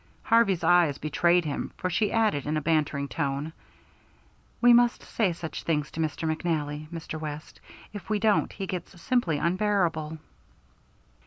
Harvey's eyes betrayed him, for she added in a bantering tone, "We must say such things to Mr. McNally, Mr. West; if we don't, he gets simply unbearable."